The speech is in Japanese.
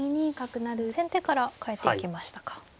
先手から換えていきましたか。